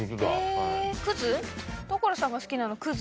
所さんが好きなの葛。